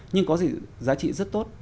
nhưng có gì giá trị rất tốt